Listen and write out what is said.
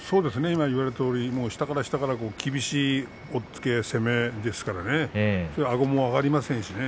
今、言われたように下から下から厳しい押っつけ、攻めですからあごも上がりませんしね。